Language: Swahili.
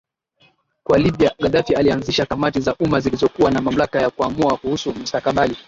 kwa Libya Gaddafi alianzisha kamati za umma zilizokuwa na mamlaka ya kuamua kuhusu mustakabali